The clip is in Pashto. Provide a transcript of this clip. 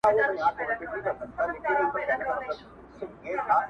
• د ریا بازار یې بیا رونق پیدا کړ..